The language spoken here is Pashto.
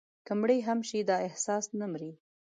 که مړي هم شي، دا احساس نه مري»